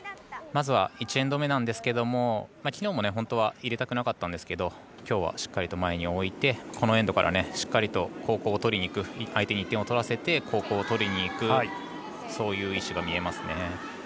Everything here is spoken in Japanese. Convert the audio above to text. まずは１エンド目なんですけども昨日も本当は入れたくなかったんですけれども今日はしっかり前に置いてこのエンドからしっかり相手に１点を取らせて後攻を取りにいくそういう意思が見えますね。